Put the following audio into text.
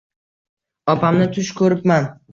Opamni tush ko‘ribman.